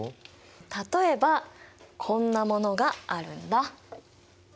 例えばこんなものがあるんだ。